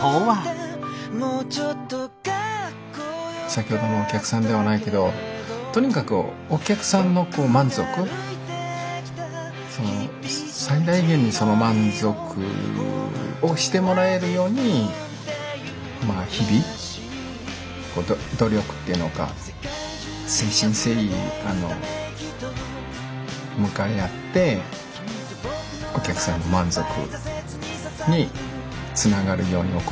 先ほどのお客さんではないけどとにかくお客さんの満足その最大限にその満足をしてもらえるように日々努力っていうのか誠心誠意向かい合ってお客さんの満足につながるように行うこと。